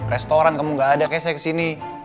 restoran kamu gak ada kayak saya kesini